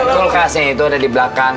kulkasnya itu ada di belakang